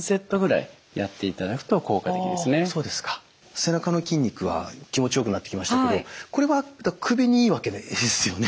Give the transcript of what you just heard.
背中の筋肉は気持ちよくなってきましたけどこれは首にいいわけですよね？